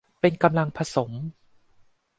เป็นกำลังผสม